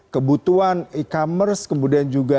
kebutuhan e commerce kemudian juga